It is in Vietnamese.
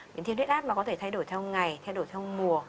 biến thiên huyết áp mà có thể thay đổi theo ngày thay đổi theo mùa